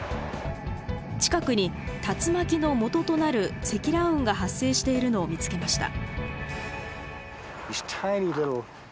近くに竜巻のもととなる積乱雲が発生しているのを見つけました。